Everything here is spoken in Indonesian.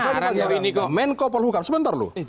kalau saya bilang menko polhukam sebentar loh